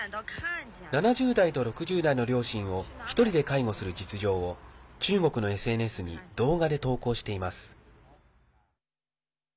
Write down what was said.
７０代と６０代の両親を１人で介護する実情を中国のＳＮＳに動画で投稿しています。